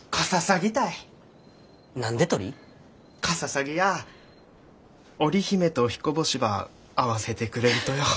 カササギや織姫とひこ星ば会わせてくれるとよ。